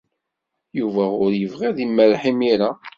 Yuba ur yebɣi ad imerreḥ imir-a.